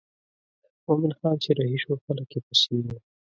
مومن خان چې رهي شو خلک یې پسې وو.